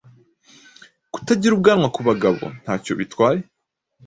kutagira ubwanwa ku bagabontacyo bitwaye